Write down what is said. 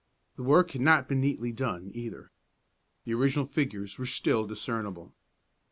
The work had not been neatly done, either. The original figures were still discernible.